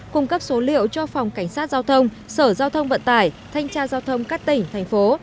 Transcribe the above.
cung cấp số liệu cho phòng cảnh sát giao thông sở giao thông vận tải thanh tra giao thông các tỉnh thành phố